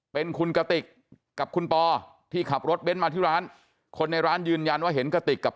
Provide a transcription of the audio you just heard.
เป็นคุณกติกกับคุณปอที่ขับรถเบ้นมาที่ร้านคนในร้านยืนยันว่าเห็นกระติกกับ